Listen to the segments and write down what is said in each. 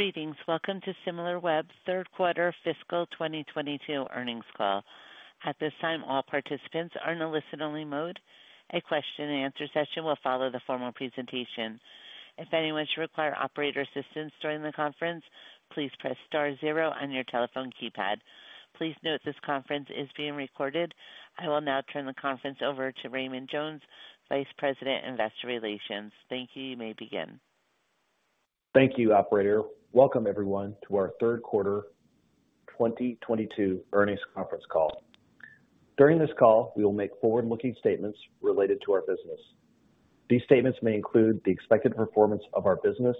Greetings. Welcome to Similarweb's third quarter fiscal 2022 earnings call. At this time, all participants are in a listen-only mode. A question-and-answer session will follow the formal presentation. If anyone should require operator assistance during the conference, please press star zero on your telephone keypad. Please note this conference is being recorded. I will now turn the conference over to Raymond Jones, Vice President, Investor Relations. Thank you. You may begin. Thank you, operator. Welcome everyone to our third quarter 2022 earnings conference call. During this call, we will make forward-looking statements related to our business. These statements may include the expected performance of our business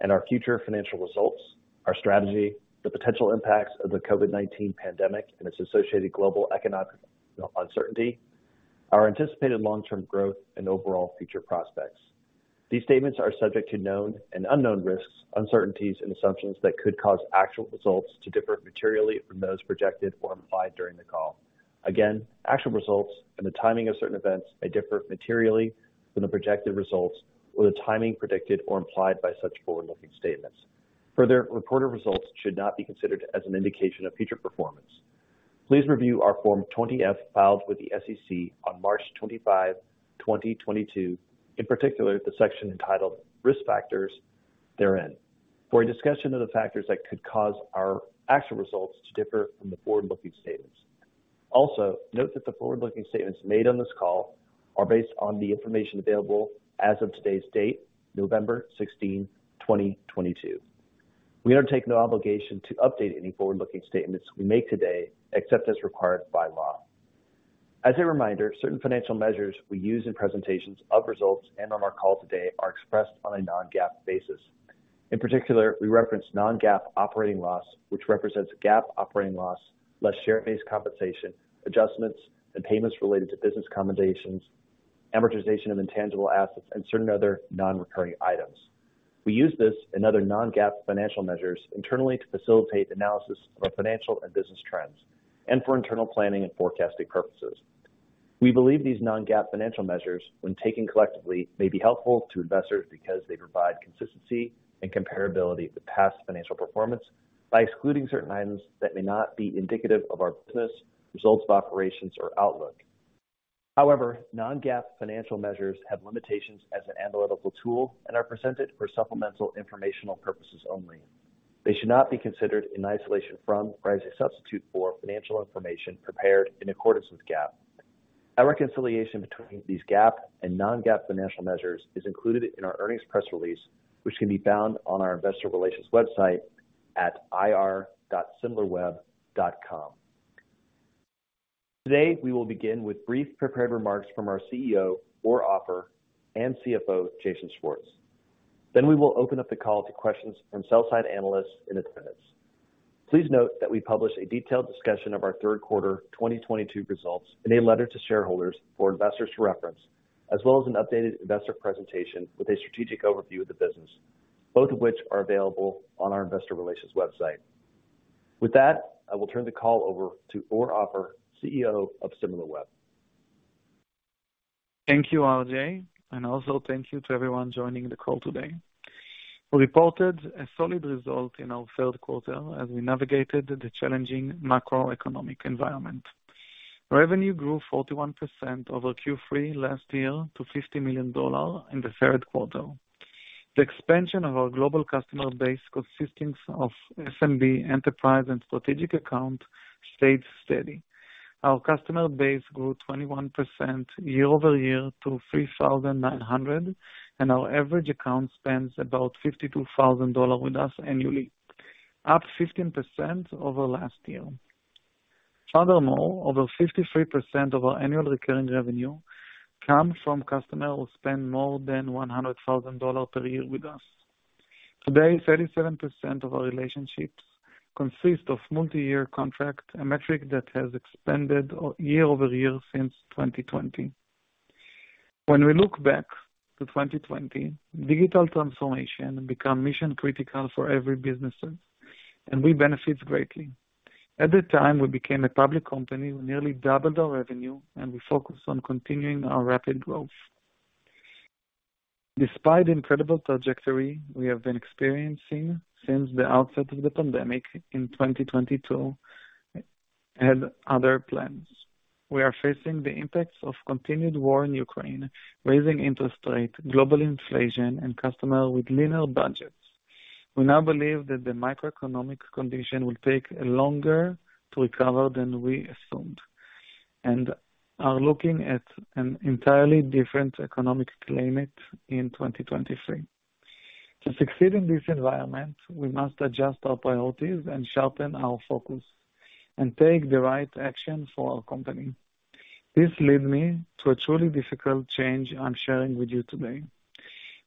and our future financial results, our strategy, the potential impacts of the COVID-19 pandemic and its associated global economic uncertainty, our anticipated long-term growth and overall future prospects. These statements are subject to known and unknown risks, uncertainties, and assumptions that could cause actual results to differ materially from those projected or implied during the call. Again, actual results and the timing of certain events may differ materially from the projected results or the timing predicted or implied by such forward-looking statements. Further, reported results should not be considered as an indication of future performance. Please review our Form 20-F filed with the SEC on March 25, 2022, in particular, the section entitled Risk Factors therein, for a discussion of the factors that could cause our actual results to differ from the forward-looking statements. Also, note that the forward-looking statements made on this call are based on the information available as of today's date, November 16, 2022. We undertake no obligation to update any forward-looking statements we make today, except as required by law. As a reminder, certain financial measures we use in presentations of results and on our call today are expressed on a non-GAAP basis. In particular, we reference non-GAAP operating loss, which represents GAAP operating loss, less share-based compensation, adjustments and payments related to business accommodations, amortization of intangible assets and certain other non-recurring items. We use this and other non-GAAP financial measures internally to facilitate analysis of our financial and business trends and for internal planning and forecasting purposes. We believe these non-GAAP financial measures, when taken collectively, may be helpful to investors because they provide consistency and comparability of the past financial performance by excluding certain items that may not be indicative of our business results of operations or outlook. However, non-GAAP financial measures have limitations as an analytical tool and are presented for supplemental informational purposes only. They should not be considered in isolation from, or as a substitute for, financial information prepared in accordance with GAAP. A reconciliation between these GAAP and non-GAAP financial measures is included in our earnings press release, which can be found on our investor relations website at ir.similarweb.com. Today, we will begin with brief prepared remarks from our CEO, Or Offer, and CFO, Jason Schwartz. We will open up the call to questions from sell-side analysts in attendance. Please note that we publish a detailed discussion of our third quarter 2022 results in a letter to shareholders for investors to reference, as well as an updated investor presentation with a strategic overview of the business, both of which are available on our investor relations website. With that, I will turn the call over to Or Offer, CEO of Similarweb. Thank you, RJ, and also thank you to everyone joining the call today. We reported a solid result in our third quarter as we navigated the challenging macroeconomic environment. Revenue grew 41% over Q3 last year to $50 million in the third quarter. The expansion of our global customer base consisting of SMB, enterprise, and strategic accounts stayed steady. Our customer base grew 21% year-over-year to 3,900, and our average account spends about $52,000 with us annually, up 15% over last year. Furthermore, over 53% of our annual recurring revenue comes from customers who spend more than $100,000 per year with us. Today, 37% of our relationships consist of multi-year contracts, a metric that has expanded year-over-year since 2020. When we look back to 2020, digital transformation became mission-critical for every business, and we benefited greatly. At the time we became a public company, we nearly doubled our revenue, and we focused on continuing our rapid growth. Despite the incredible trajectory we have been experiencing since the outset of the pandemic, 2022 had other plans. We are facing the impacts of continued war in Ukraine, raising interest rates, global inflation, and customers with leaner budgets. We now believe that the macroeconomic condition will take longer to recover than we assumed and are looking at an entirely different economic climate in 2023. To succeed in this environment, we must adjust our priorities and sharpen our focus and take the right action for our company. This leads me to a truly difficult change I'm sharing with you today.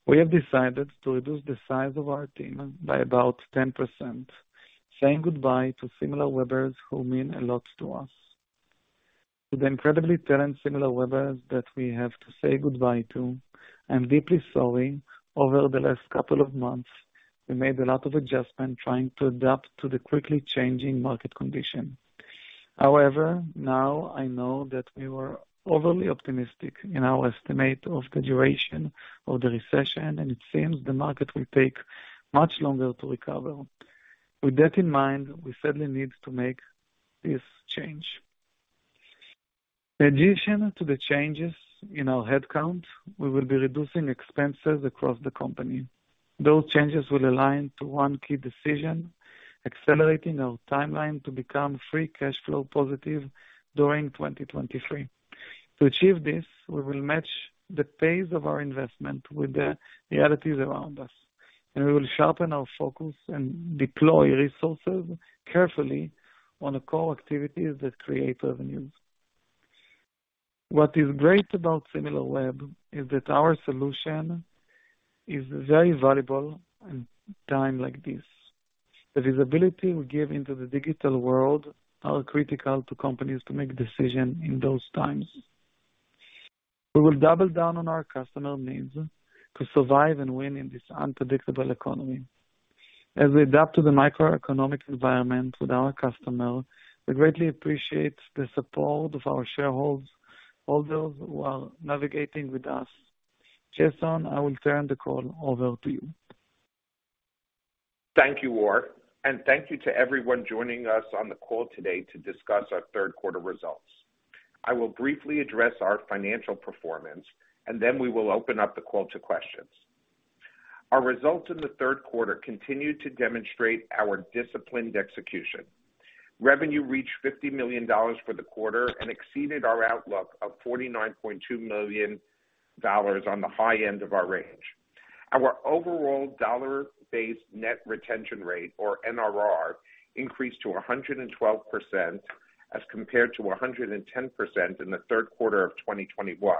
We have decided to reduce the size of our team by about 10%, saying goodbye to Similarwebers who mean a lot to us. To the incredibly talented Similarwebers that we have to say goodbye to, I'm deeply sorry. Over the last couple of months, we made a lot of adjustments trying to adapt to the quickly changing market condition. However, now I know that we were overly optimistic in our estimate of the duration of the recession, and it seems the market will take much longer to recover. With that in mind, we certainly need to make this change. In addition to the changes in our headcount, we will be reducing expenses across the company. Those changes will align to one key decision, accelerating our timeline to become free cash flow positive during 2023. To achieve this, we will match the pace of our investment with the realities around us, and we will sharpen our focus and deploy resources carefully on the core activities that create revenues. What is great about Similarweb is that our solution is very valuable in time like this. The visibility we give into the digital world are critical to companies to make decision in those times. We will double down on our customer needs to survive and win in this unpredictable economy. As we adapt to the macroeconomic environment with our customer, we greatly appreciate the support of our shareholders who are navigating with us. Jason, I will turn the call over to you. Thank you, Or. Thank you to everyone joining us on the call today to discuss our third quarter results. I will briefly address our financial performance, and then we will open up the call to questions. Our results in the third quarter continued to demonstrate our disciplined execution. Revenue reached $50 million for the quarter and exceeded our outlook of $49.2 million on the high end of our range. Our overall dollar-based net retention rate, or NRR, increased to 112% as compared to 110% in the third quarter of 2021.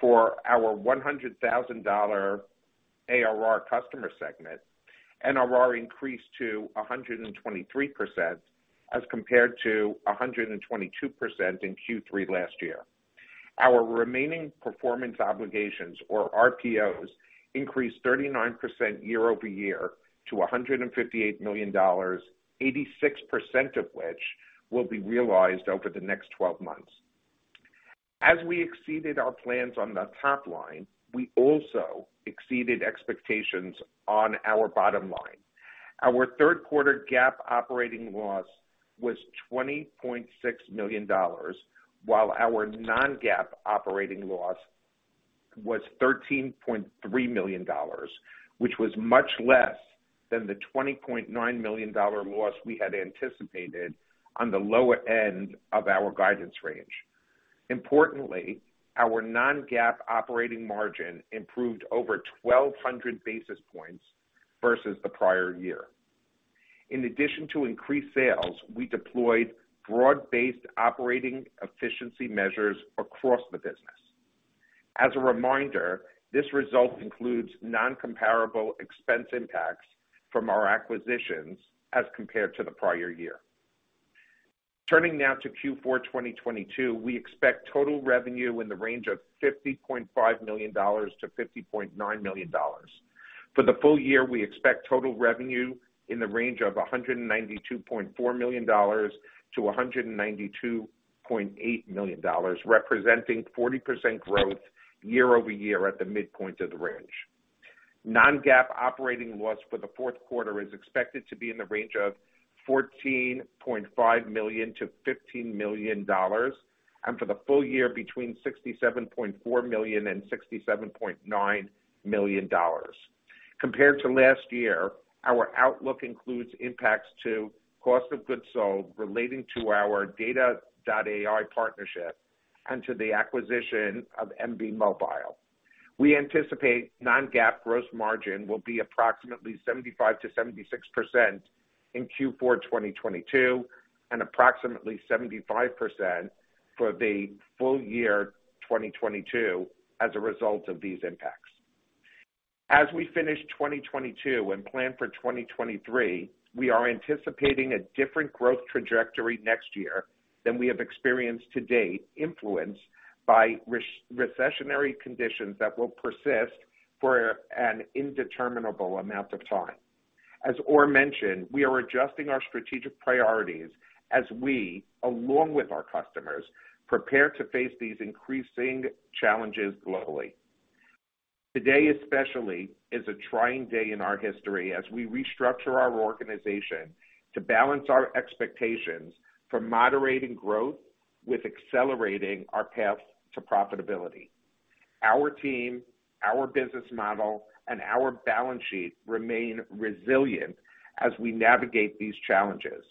For our $100,000 ARR customer segment, NRR increased to 123% as compared to 122% in Q3 last year. Our remaining performance obligations, or RPOs, increased 39% year-over-year to $158 million, 86% of which will be realized over the next 12 months. As we exceeded our plans on the top line, we also exceeded expectations on our bottom line. Our third quarter GAAP operating loss was $20.6 million, while our non-GAAP operating loss was $13.3 million, which was much less than the $20.9 million loss we had anticipated on the lower end of our guidance range. Importantly, our non-GAAP operating margin improved over 1,200 basis points versus the prior year. In addition to increased sales, we deployed broad-based operating efficiency measures across the business. As a reminder, this result includes non-comparable expense impacts from our acquisitions as compared to the prior year. Turning now to Q4 2022, we expect total revenue in the range of $50.5 million-$50.9 million. For the full year, we expect total revenue in the range of $192.4 million-$192.8 million, representing 40% growth year-over-year at the midpoint of the range. non-GAAP operating loss for the fourth quarter is expected to be in the range of $14.5 million-$15 million, and for the full year between $67.4 million and $67.9 million. Compared to last year, our outlook includes impacts to cost of goods sold relating to our Data.ai partnership and to the acquisition of Embee Mobile. We anticipate non-GAAP gross margin will be approximately 75%-76% in Q4 2022 and approximately 75% for the full year 2022 as a result of these impacts. As we finish 2022 and plan for 2023, we are anticipating a different growth trajectory next year than we have experienced to date, influenced by recessionary conditions that will persist for an indeterminable amount of time. As Or mentioned, we are adjusting our strategic priorities as we, along with our customers, prepare to face these increasing challenges globally. Today especially is a trying day in our history as we restructure our organization to balance our expectations for moderating growth with accelerating our path to profitability. Our team, our business model, and our balance sheet remain resilient as we navigate these challenges.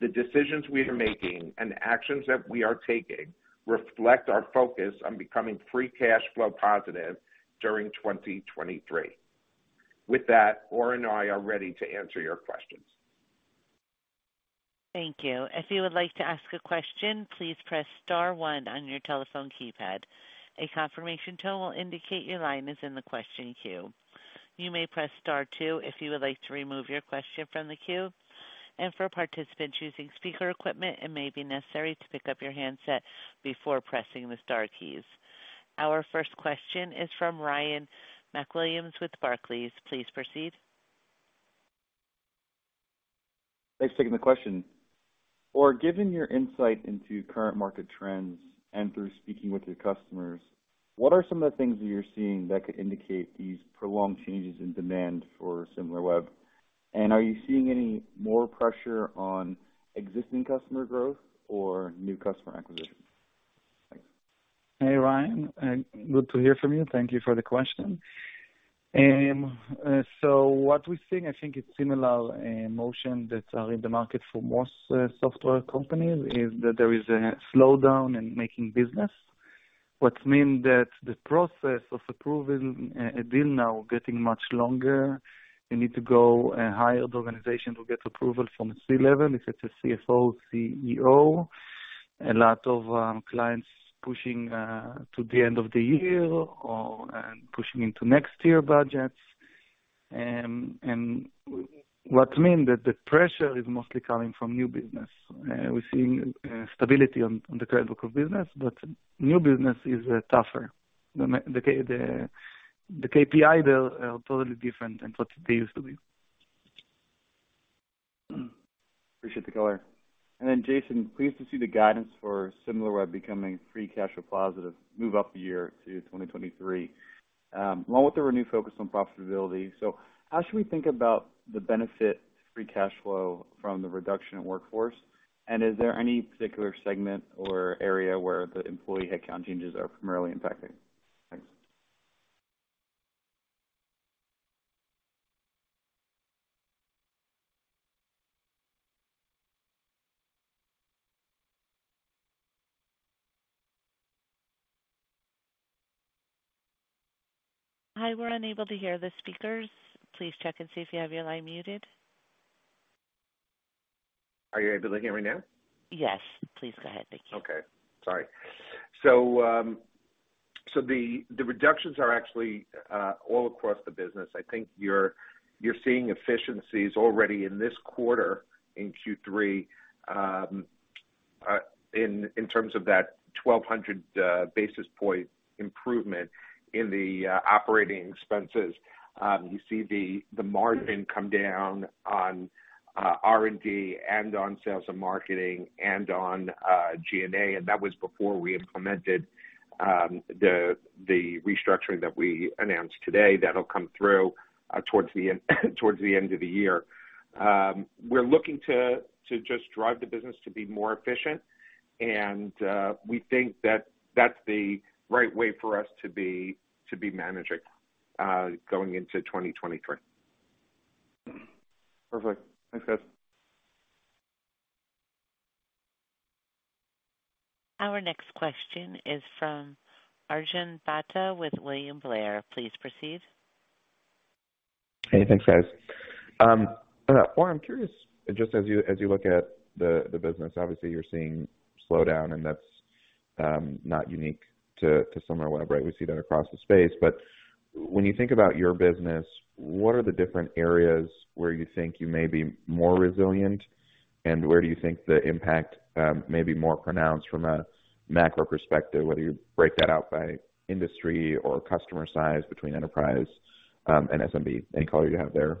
The decisions we are making and actions that we are taking reflect our focus on becoming free cash flow positive during 2023. With that, Or and I are ready to answer your questions. Thank you. If you would like to ask a question, please press star one on your telephone keypad. A confirmation tone will indicate your line is in the question queue. You may press star two if you would like to remove your question from the queue. For participants using speaker equipment, it may be necessary to pick up your handset before pressing the star keys. Our first question is from Ryan McWilliams with Barclays. Please proceed. Thanks for taking the question. Or, given your insight into current market trends and through speaking with your customers, what are some of the things that you're seeing that could indicate these prolonged changes in demand for Similarweb? Are you seeing any more pressure on existing customer growth or new customer acquisition? Thanks. Hey, Ryan, good to hear from you. Thank you for the question. So what we're seeing, I think it's similar motion that is in the market for most software companies, is that there is a slowdown in making business. What that means is that the process of approving a deal is now getting much longer. You need to go higher in the organization to get approval from C-level, if it's a CFO, CEO. A lot of clients pushing to the end of the year or and pushing into next year budgets. What that means is that the pressure is mostly coming from new business. We're seeing stability on the current book of business, but new business is tougher. The KPIs, they're totally different than what they used to be. Appreciate the color. Jason, pleased to see the guidance for Similarweb becoming free cash flow positive move up a year to 2023. Along with the renewed focus on profitability. How should we think about the benefit to free cash flow from the reduction in workforce? Is there any particular segment or area where the employee headcount changes are primarily impacting? Thanks. Hi, we're unable to hear the speakers. Please check and see if you have your line muted. Are you able to hear me now? Yes, please go ahead. Thank you. The reductions are actually all across the business. I think you're seeing efficiencies already in this quarter in Q3, in terms of that 1,200 basis point improvement in the operating expenses. You see the margin come down on R&D and on sales and marketing and on G&A, and that was before we implemented the restructuring that we announced today. That'll come through towards the end of the year. We're looking to just drive the business to be more efficient and we think that that's the right way for us to be managing going into 2023. Perfect. Thanks, guys. Our next question is from Arjun Bhatia with William Blair. Please proceed. Hey, thanks, guys. Or, I'm curious, just as you look at the business, obviously you're seeing slowdown and that's not unique to Similarweb, right? We see that across the space. When you think about your business, what are the different areas where you think you may be more resilient? Where do you think the impact may be more pronounced from a macro perspective, whether you break that out by industry or customer size between enterprise and SMB? Any color you have there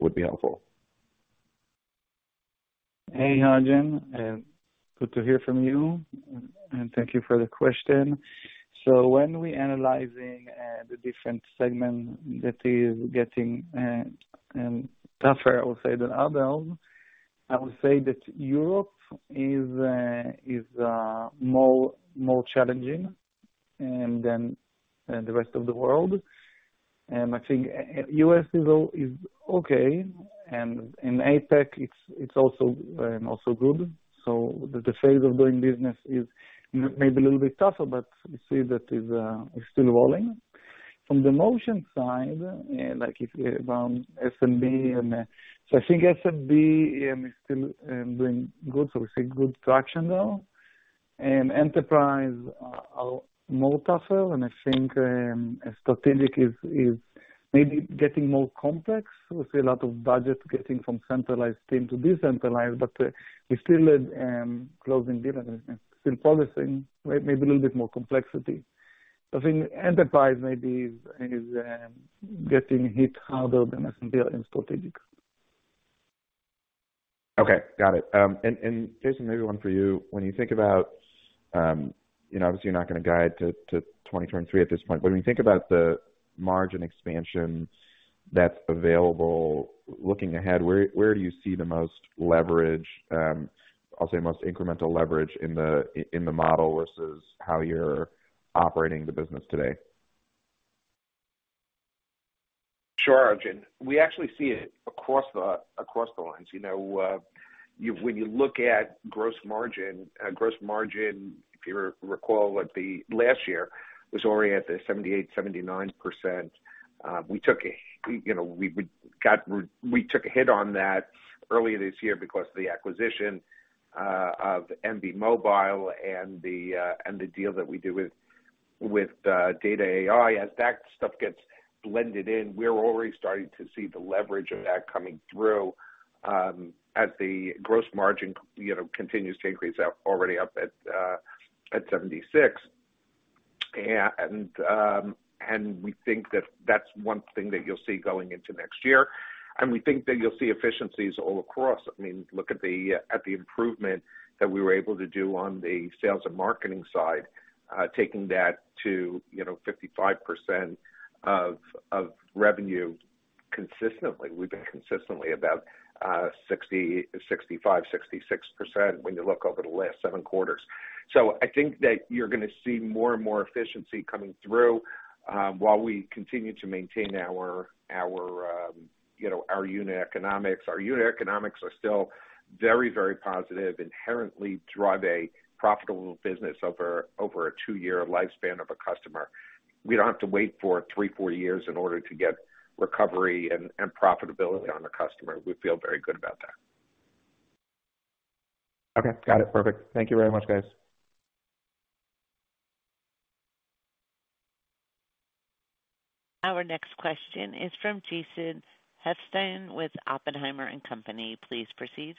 would be helpful. Hey, Arjun, good to hear from you and thank you for the question. When we analyzing the different segment that is getting tougher, I would say, than others, I would say that Europe is more challenging than the rest of the world. I think U.S. is okay, and in APAC it's also good. The ease of doing business is maybe a little bit tougher, but we see that is still growing. From the monetization side, SMB is still doing good. We see good traction there. Enterprise are more tougher and I think strategic is maybe getting more complex. We see a lot of budget getting from centralized team to decentralized, but we still closing deals and still polishing, right? Maybe a little bit more complexity. I think enterprise maybe is getting hit harder than SMB and strategic. Okay, got it. And Jason, maybe one for you. When you think about, you know, obviously you're not gonna guide to 2023 at this point, but when you think about the margin expansion that's available looking ahead, where do you see the most leverage, I'll say most incremental leverage in the model versus how you're operating the business today? Sure, Arjun. We actually see it across the lines. When you look at gross margin, if you recall what the last year was already at the 78%-79%. We took a hit on that earlier this year because of the acquisition of Embee Mobile and the deal that we did with Data.ai. As that stuff gets blended in, we're already starting to see the leverage of that coming through, as the gross margin continues to increase up, already up at 76%. We think that that's one thing that you'll see going into next year. We think that you'll see efficiencies all across. I mean, look at the improvement that we were able to do on the sales and marketing side, taking that to, you know, 55% of revenue consistently. We've been consistently about 60, 65, 66% when you look over the last 7 quarters. I think that you're gonna see more and more efficiency coming through while we continue to maintain our unit economics. Our unit economics are still very, very positive, inherently drive a profitable business over a 2-year lifespan of a customer. We don't have to wait for 3, 4 years in order to get recovery and profitability on the customer. We feel very good about that. Okay. Got it. Perfect. Thank you very much, guys. Our next question is from Jason Helfstein with Oppenheimer & Co. Inc. Please proceed.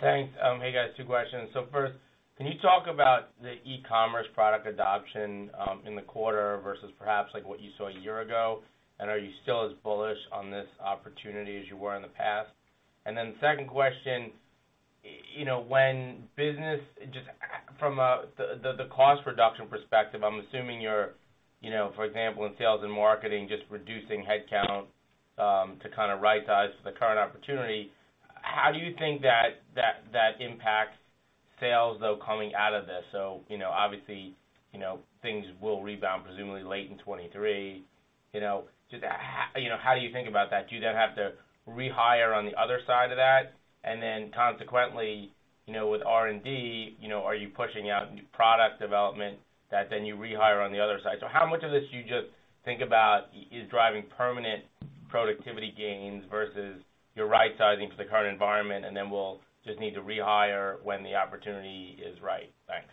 Thanks. Hey, guys, two questions. First, can you talk about the e-commerce product adoption in the quarter versus perhaps like what you saw a year ago? Are you still as bullish on this opportunity as you were in the past? Then second question, you know, from the cost reduction perspective, I'm assuming you're, you know, for example, in sales and marketing, just reducing headcount to kinda right-size the current opportunity. How do you think that impacts sales, though, coming out of this? You know, obviously, you know, things will rebound presumably late in 2023. You know, just how do you think about that? Do you then have to rehire on the other side of that? Consequently, you know, with R&D, you know, are you pushing out product development that then you rehire on the other side? So how much of this do you just think about is driving permanent productivity gains versus you're right-sizing for the current environment, and then we'll just need to rehire when the opportunity is right? Thanks.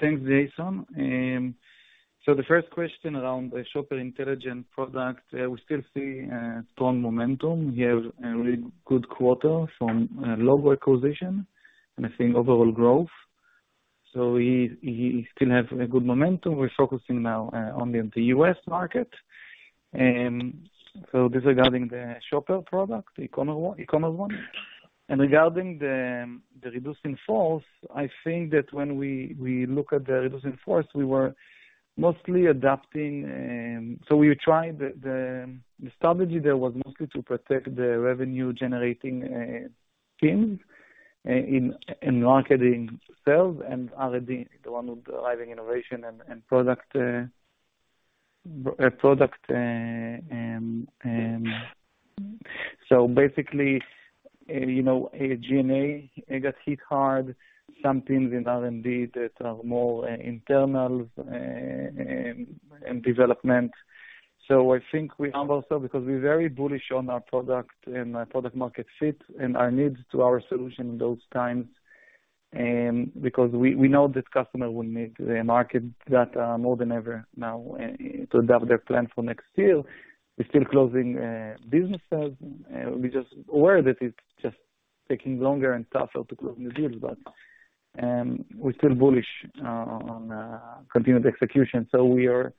Thanks, Jason. The first question around the Shopper Intelligence product, we still see strong momentum. We have a really good quarter from logo acquisition and I think overall growth. We still have a good momentum. We're focusing now on the U.S. market. This regarding the Shopper product, the e-commerce one. Regarding the force reduction, I think that when we look at the force reduction, we were mostly adapting. We tried the strategy there was mostly to protect the revenue generating teams in marketing itself and R&D, the one with driving innovation and product. Basically, you know, G&A, it got hit hard. Some teams in R&D that are more internal in development. I think we have also because we're very bullish on our product and our product market fit and our needs to our solution in those times, because we know that customer will need the market data more than ever now, to adapt their plan for next year. We're still closing businesses. We're just aware that it's just taking longer and tougher to close new deals, but we're still bullish on continued execution. We are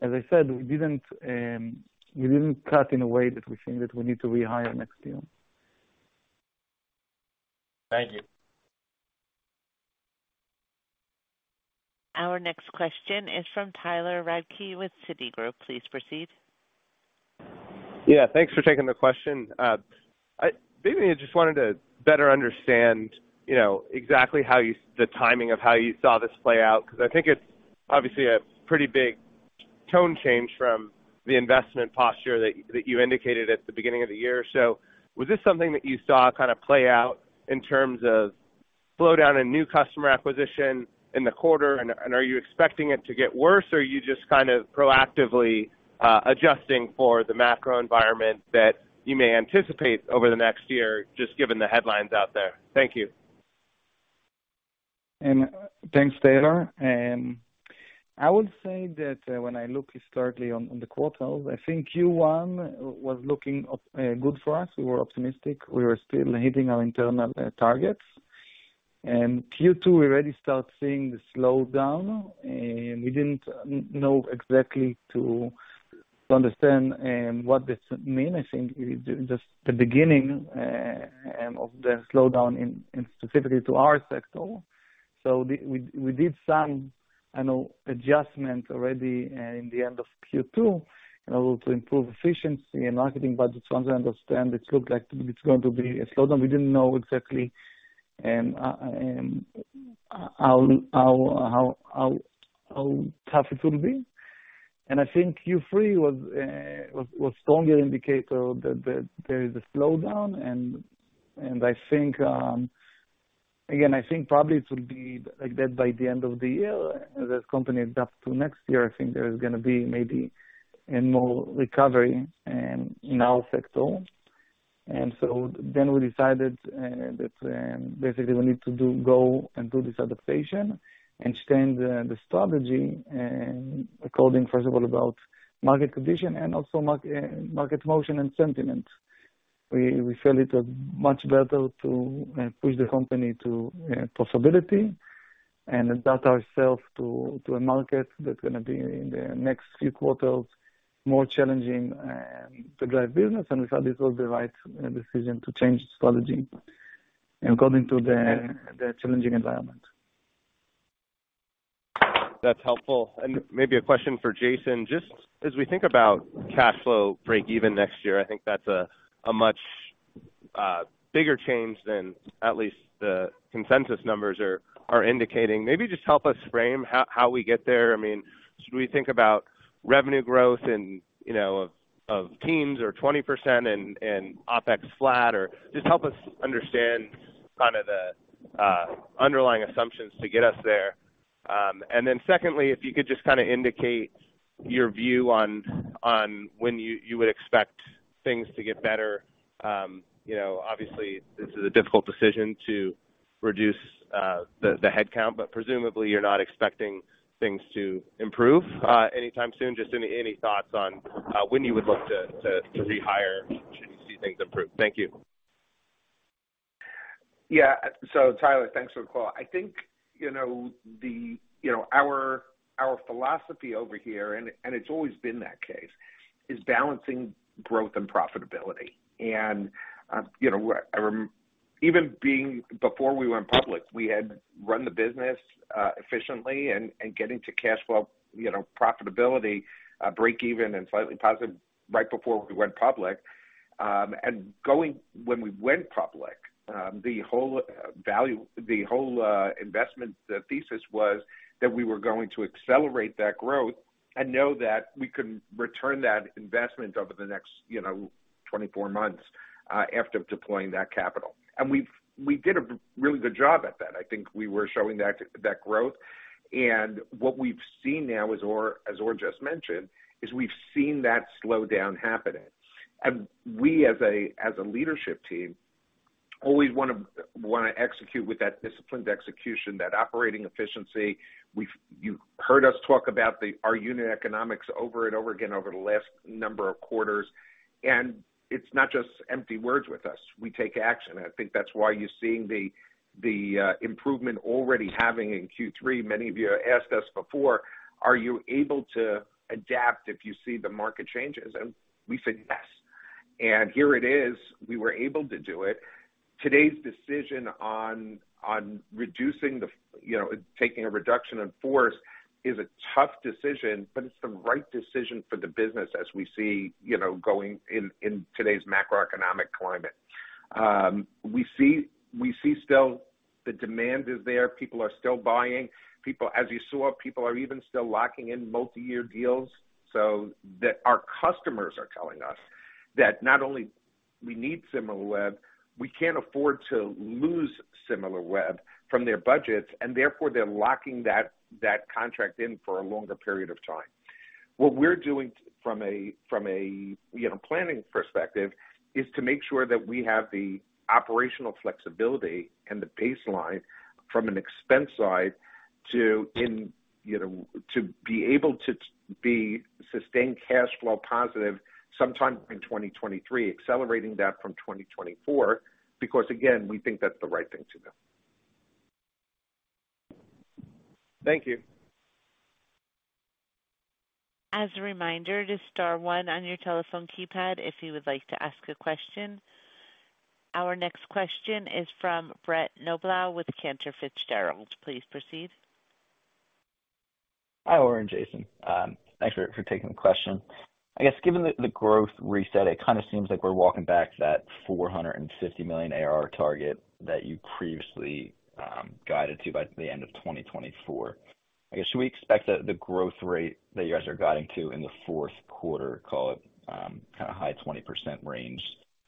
as I said, we didn't cut in a way that we think that we need to rehire next year. Thank you. Our next question is from Tyler Radke with Citigroup. Please proceed. Yeah, thanks for taking the question. Maybe I just wanted to better understand, you know, exactly how you saw the timing of how you saw this play out, because I think it's obviously a pretty big tone change from the investment posture that you indicated at the beginning of the year. Was this something that you saw kinda play out in terms of slowdown in new customer acquisition in the quarter? And are you expecting it to get worse? Or are you just kind of proactively adjusting for the macro environment that you may anticipate over the next year, just given the headlines out there? Thank you. Thanks, Tyler. I would say that when I look historically on the quarter, I think Q1 was looking good for us. We were optimistic. We were still hitting our internal targets. Q2, we already start seeing the slowdown. We didn't know exactly to understand what this mean. I think it is just the beginning of the slowdown in specifically to our sector. We did some, you know, adjustment already in the end of Q2 in order to improve efficiency and marketing budgets to understand it looked like it's going to be a slowdown. We didn't know exactly how tough it will be. I think Q3 was stronger indicator that there is a slowdown. I think probably it will be like that by the end of the year. As companies adapt to next year, I think there is gonna be maybe a more recovery in our sector. We decided that basically we need to do this adaptation and change the strategy according first of all about market condition and also market motion and sentiment. We feel it is much better to push the company to profitability and adapt ourselves to a market that's gonna be in the next few quarters more challenging to drive business. We thought this was the right decision to change strategy according to the challenging environment. That's helpful. Maybe a question for Jason. Just as we think about cash flow break even next year, I think that's a much bigger change than at least the consensus numbers are indicating. Maybe just help us frame how we get there. I mean, should we think about revenue growth and, you know, of teens or 20% and OpEx flat? Or just help us understand kind of the underlying assumptions to get us there. And then secondly, if you could just kinda indicate your view on when you would expect things to get better. You know, obviously this is a difficult decision to reduce the headcount, but presumably you're not expecting things to improve anytime soon. Just any thoughts on when you would look to rehire should you see things improve? Thank you. Yeah. Tyler, thanks for the call. I think, you know, our philosophy over here, and it's always been that case, is balancing growth and profitability. You know, even before we went public, we had run the business efficiently and getting to cash flow, you know, profitability, break even and slightly positive right before we went public. When we went public, the whole investment thesis was that we were going to accelerate that growth and know that we can return that investment over the next, you know, 24 months after deploying that capital. We did a really good job at that. I think we were showing that growth. What we've seen now, as Or just mentioned, is we've seen that slow down happening. We as a leadership team always wanna execute with that disciplined execution, that operating efficiency. You've heard us talk about the our unit economics over and over again over the last number of quarters, and it's not just empty words with us. We take action. I think that's why you're seeing the improvement already having in Q3. Many of you asked us before, "Are you able to adapt if you see the market changes?" We said, "Yes." Here it is. We were able to do it. Today's decision on reducing you know, taking a reduction in force is a tough decision, but it's the right decision for the business as we see, you know, going in today's macroeconomic climate. We see still the demand is there. People are still buying. As you saw, people are even still locking in multi-year deals. So that our customers are telling us that not only we need Similarweb, we can't afford to lose Similarweb from their budgets, and therefore they're locking that contract in for a longer period of time. What we're doing from a, you know, planning perspective is to make sure that we have the operational flexibility and the baseline from an expense side to, you know, to be able to be sustained cash flow positive sometime in 2023, accelerating that from 2024, because again, we think that's the right thing to do. Thank you. As a reminder, just star one on your telephone keypad if you would like to ask a question. Our next question is from Brett Knoblauch with Cantor Fitzgerald. Please proceed. Hi, Or and Jason. Thanks for taking the question. I guess given the growth reset, it kinda seems like we're walking back to that $450 million ARR target that you previously guided to by the end of 2024. I guess, should we expect the growth rate that you guys are guiding to in the fourth quarter, call it, kinda high 20% range,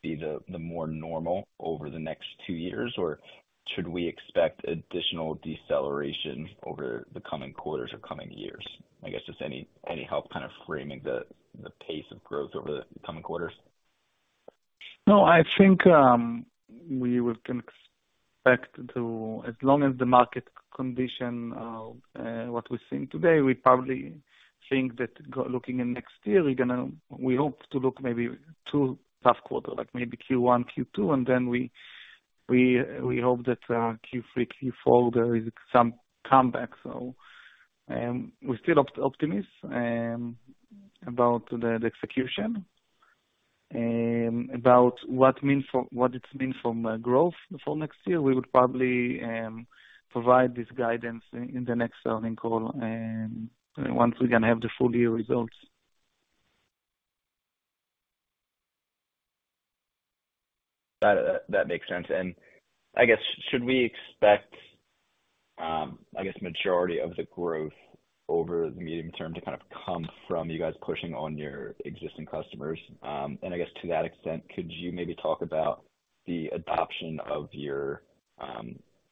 be the more normal over the next two years? Should we expect additional deceleration over the coming quarters or coming years? I guess just any help kind of framing the pace of growth over the coming quarters. No, I think we can expect to as long as the market condition what we're seeing today, we probably think that looking in next year, we hope to look maybe two tough quarter, like maybe Q1, Q2, and then we hope that Q3, Q4 there is some comeback. We're still optimistic about the execution. About what it means for growth for next year, we would probably provide this guidance in the next earnings call, once we gonna have the full year results. That makes sense. I guess majority of the growth over the medium term to kind of come from you guys pushing on your existing customers? I guess to that extent, could you maybe talk about the adoption of your,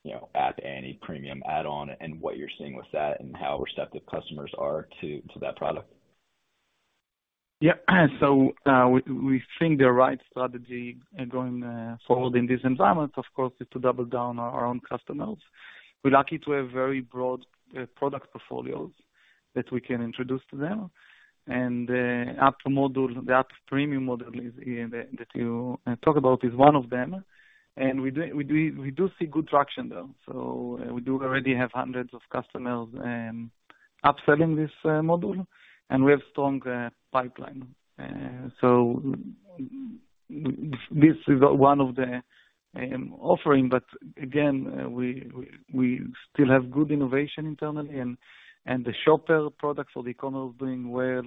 you know, App Annie premium add-on and what you're seeing with that and how receptive customers are to that product? We think the right strategy going forward in this environment, of course, is to double down on our own customers. We're lucky to have very broad product portfolios that we can introduce to them. The App Intelligence model that you talk about is one of them. We see good traction, though. We already have hundreds of customers upselling this model, and we have strong pipeline. This is one of the offering. We still have good innovation internally and the Shopper products for the economy are doing well.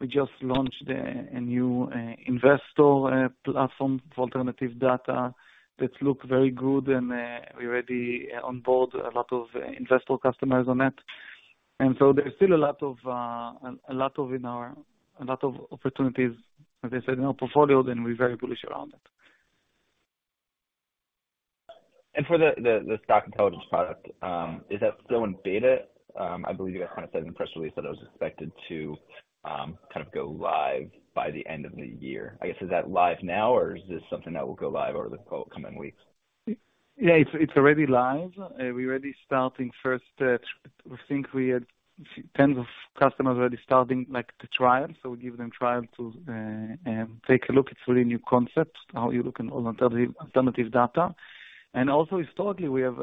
We just launched a new investor platform for alternative data that look very good, and we already on board a lot of investor customers on it. There's still a lot of opportunities, as I said, in our portfolio, then we're very bullish around it. For the Stock Intelligence product, is that still in beta? I believe you guys kind of said in the press release that it was expected to kind of go live by the end of the year. I guess, is that live now or is this something that will go live over the coming weeks? Yeah, it's already live. We're already starting. First, I think we had tens of customers already starting like the trial. We give them trial to take a look. It's really new concept, how you look at all alternative data. Also historically, we have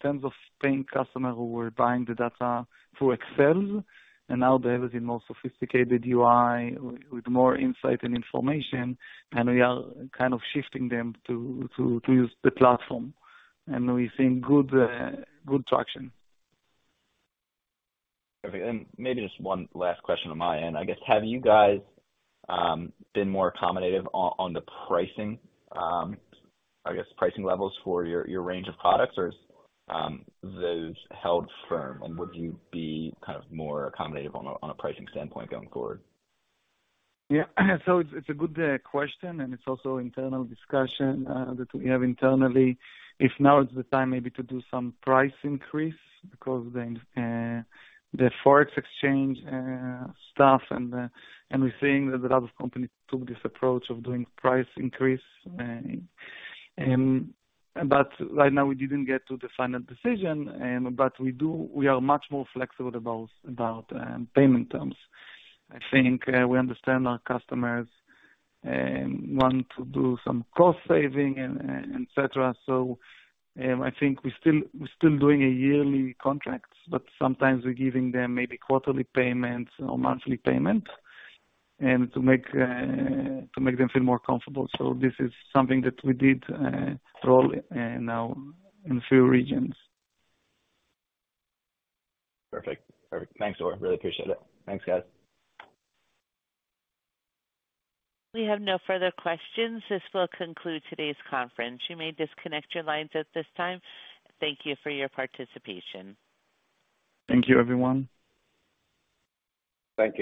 tens of paying customers who were buying the data through Excel, and now they have the more sophisticated UI with more insight and information, and we are kind of shifting them to use the platform. We're seeing good traction. Okay. Maybe just one last question on my end. I guess, have you guys been more accommodative on the pricing, I guess pricing levels for your range of products, or is those held firm? Would you be kind of more accommodative on a pricing standpoint going forward? It's a good question, and it's also internal discussion that we have internally. If now is the time maybe to do some price increase because the Forex exchange stuff and we're seeing that a lot of companies took this approach of doing price increase. Right now we didn't get to the final decision. We are much more flexible about payment terms. I think we understand our customers want to do some cost saving and et cetera. I think we're still doing yearly contracts, but sometimes we're giving them maybe quarterly payments or monthly payment to make them feel more comfortable. This is something that we did roll now in few regions. Perfect. Perfect. Thanks, Or. Really appreciate it. Thanks, guys. We have no further questions. This will conclude today's conference. You may disconnect your lines at this time. Thank you for your participation. Thank you, everyone. Thank you.